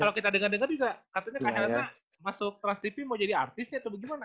karena kita dengar dengar juga katanya kak helena masuk ke rastivim mau jadi artisnya atau gimana